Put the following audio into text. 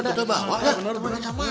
kita bawa ya teman kacamata